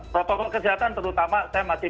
protokol kesehatan terutama saya masih